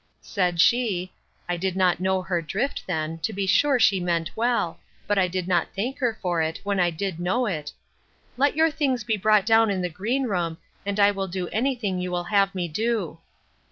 Said she, (I did not know her drift then; to be sure she meant well; but I did not thank her for it, when I did know it,) Let your things be brought down in the green room, and I will do any thing you will have me do.